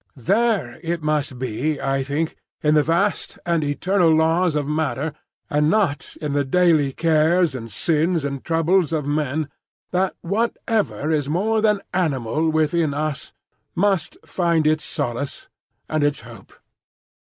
There it must be, I think, in the vast and eternal laws of matter, and not in the daily cares and sins and troubles of men, that whatever is more than animal within us must find its solace and its hope.